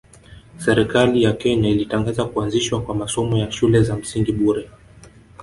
Serikali ya Kenya ilitangaza kuanzishwa kwa masomo ya shule za msingi bure